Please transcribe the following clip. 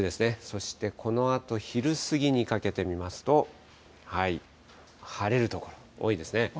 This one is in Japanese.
そしてこのあと、昼過ぎにかけて見ますと、晴れる所、多いですね。